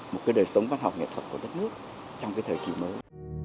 một đời sống văn học nghệ thuật của đất nước trong thời kỳ mới